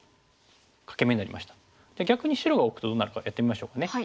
じゃあ逆に白が置くとどうなるかやってみましょうかね。